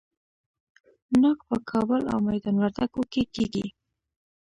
ناک په کابل او میدان وردګو کې کیږي.